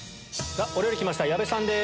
お料理来ました矢部さんです。